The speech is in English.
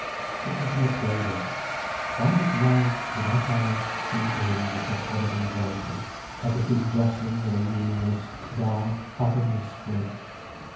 What was he afraid of? Why did life, without Anna, seem to him just a horrible welter, everything jostling in a meaningless, dark, fathomless flood?